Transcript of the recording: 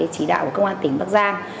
trí đạo của công an tỉnh bắc giang